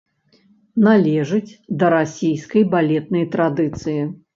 Належыць да расійскай балетнай традыцыі.